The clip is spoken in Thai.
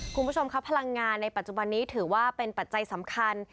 คุณผู้ชมครับพลังงานในปัจจุบันนี้ถือว่าเป็นปัจจัยสำคัญ